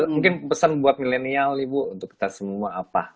mungkin pesan buat milenial ibu untuk kita semua apa